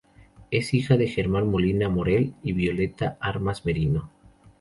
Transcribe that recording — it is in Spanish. Es hija de Germán Molina Morel y Violeta Armas Merino.